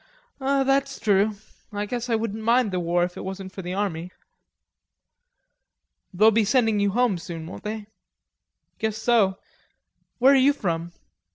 "That's true.... I guess I wouldn't mind the war if it wasn't for the army." "They'll be sending you home soon, won't they?" "Guess so.... Where are you from?"